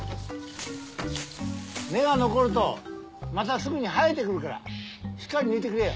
根が残るとまたすぐに生えてくるからしっかり抜いてくれよ。